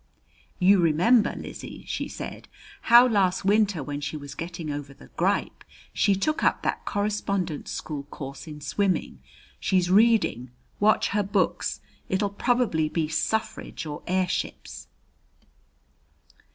"You remember, Lizzie," she said, "how last winter when she was getting over the grippe she took up that correspondence school course in swimming. She's reading, watch her books. It'll probably be suffrage or airships."